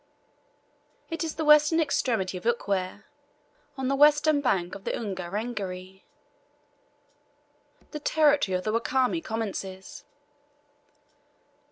It is the western extremity of Ukwere. On the western bank of the Ungerengeri the territory of the Wakami commences.